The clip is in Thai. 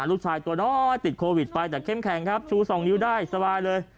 ตัวน้อยติดโควิดไปแต่เข้มแข็งครับชู๒นิ้วได้สบายเลย